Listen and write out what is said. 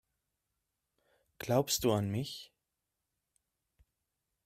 Glaubst du an mich?